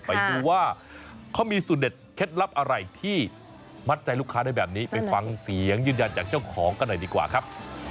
ไปดูว่าเขามีสูตรเด็ดเคล็ดลับอะไรที่มัดใจลูกค้าได้แบบนี้ไปฟังเสียงยืนยันจากเจ้าของกันหน่อยดีกว่าครับ